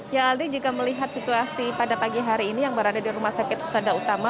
ya aldi jika melihat situasi pada pagi hari ini yang berada di rumah sakit husada utama